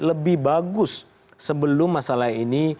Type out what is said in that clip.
lebih bagus sebelum masalah ini